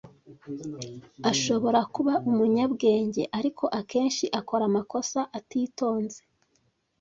Ashobora kuba umunyabwenge, ariko akenshi akora amakosa atitonze.